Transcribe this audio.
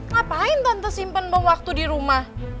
ngapain tante simpen waktu di rumah